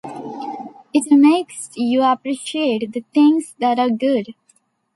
It makes you appreciate the things that are good.